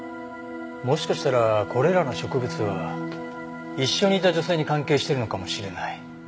もしかしたらこれらの植物は一緒にいた女性に関係してるのかもしれない。